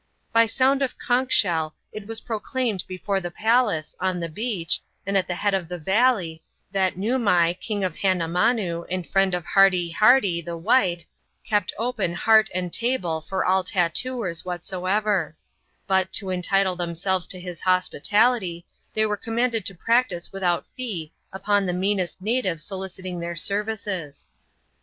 lound of conch shell it was proclaimed before the palace, beach, and at the head of the valley, that Noomai, King inamanoo, and friend of Hardee Hardee, the white, )en heart and table for all tattooers whatsoever ; but, to themselves to his hospitality, they were commanded to i without fee upon the meanest native soliciting their s.